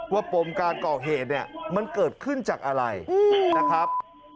ปมการก่อเหตุเนี่ยมันเกิดขึ้นจากอะไรนะครับ